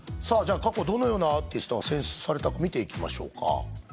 過去どのようなアーティストが選出されたか見ていきましょう。